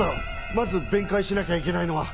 まず弁解しなきゃいけないのは。